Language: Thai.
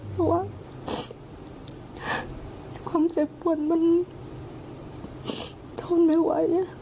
เพราะว่าความเจ็บปวดมันทนไม่ไหว